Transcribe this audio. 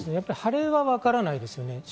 腫れはわからないですよね。